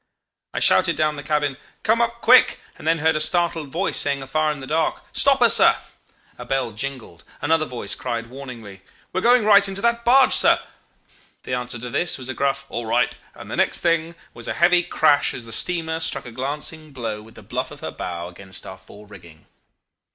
I shouted down the cabin, 'Come up, quick!' and then heard a startled voice saying afar in the dark, 'Stop her, sir.' A bell jingled. Another voice cried warningly, 'We are going right into that barque, sir.' The answer to this was a gruff 'All right,' and the next thing was a heavy crash as the steamer struck a glancing blow with the bluff of her bow about our fore rigging.